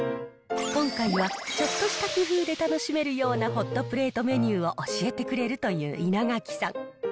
今回は、ちょっとした工夫で楽しめるようなホットプレートメニューを教えてくれるという稲垣さん。